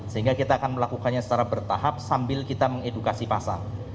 sehingga kita akan melakukannya secara bertahap sambil kita mengedukasi pasar